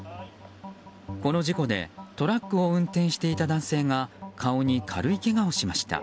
この事故でトラックを運転していた男性が顔に軽いけがをしました。